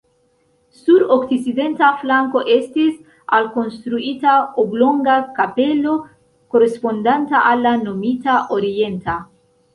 Sur okcidenta flanko estis alkonstruita oblonga kapelo korespondanta al la nomita orienta.